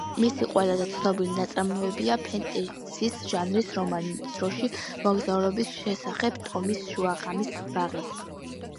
მისი ყველაზე ცნობილი ნაწარმოებია ფენტეზის ჟანრის რომანი დროში მოგზაურობის შესახებ, „ტომის შუაღამის ბაღი“.